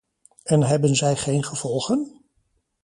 En hebben zij geen gevolgen?